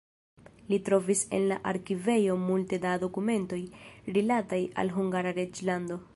Li trovis en la arkivejo multe da dokumentoj rilataj al Hungara reĝlando.